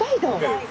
はい。